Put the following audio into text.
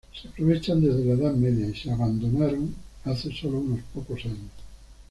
Se aprovechan desde la Edad Media y se abandonaron hace solo unos pocos años.